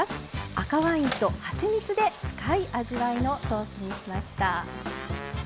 赤ワインとはちみつで深い味わいのソースにしました。